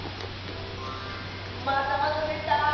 またまたでた！